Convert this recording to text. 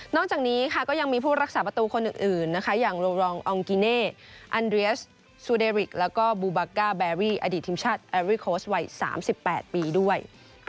จากนี้ค่ะก็ยังมีผู้รักษาประตูคนอื่นนะคะอย่างโรรองอองกิเน่อันเรียสซูเดริกแล้วก็บูบาก้าแบรี่อดีตทีมชาติแอริโค้ชวัย๓๘ปีด้วย